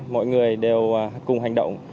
mọi người đều cùng hành động